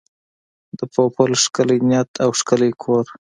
د پوپل ښکلی نیت او ښکلی کور.